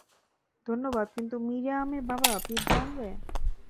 ধন্যবাদ, কিন্তু মিরিয়ামের বাবা, পিজ্জা আনবে।